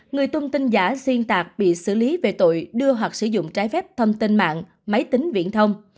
người tung tin giả xuyên tạc bị xử lý về tội đưa hoặc sử dụng trái phép thông tin mạng máy tính viễn thông